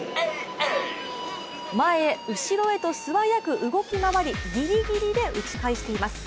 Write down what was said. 前へ後ろへと素早く動き回りギリギリで打ち返しています。